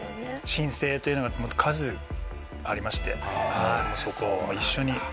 申請というのが数ありましてそこを一緒に考えて頂いて。